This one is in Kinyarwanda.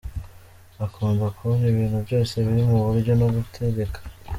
Akunda kubona ibintu byose biri mu buryo no gutegeka.